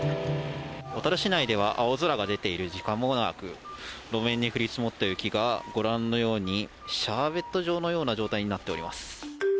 小樽市内では青空が出ている時間も長く路面に降り積もった雪がご覧のようにシャーベット状のような状態になっております。